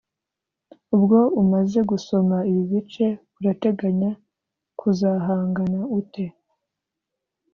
Ubwo umaze gusoma ibi bice urateganya kuzahangana ute